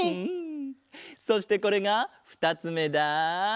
そしてこれがふたつめだ。